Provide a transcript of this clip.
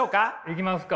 いきますか。